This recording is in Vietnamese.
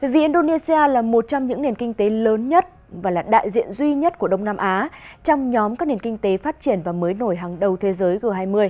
vì indonesia là một trong những nền kinh tế lớn nhất và là đại diện duy nhất của đông nam á trong nhóm các nền kinh tế phát triển và mới nổi hàng đầu thế giới g hai mươi